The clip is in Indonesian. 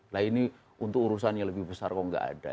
lah ini untuk urusan yang lebih besar kok nggak ada